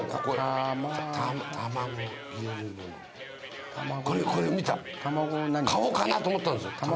これこれ見た買おうかなと思ったんですよ